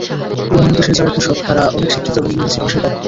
অন্যান্য দেশের যাঁরা কৃষক, তাঁরা অনেক শিক্ষিত এবং ইংরেজি ভাষায় দক্ষ।